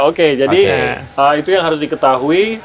oke jadi itu yang harus diketahui